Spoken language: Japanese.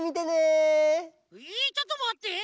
えっちょっとまって。